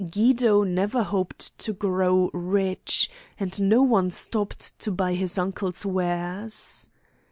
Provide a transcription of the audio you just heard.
Guido never hoped to grow rich, and no one stopped to buy his uncle's wares.